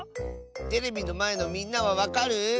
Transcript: テレビのまえのみんなはわかる？